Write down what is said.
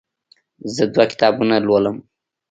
زه دوه کتابونه لولم.